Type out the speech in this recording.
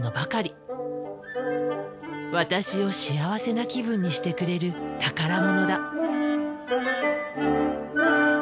私を幸せな気分にしてくれる宝物だ。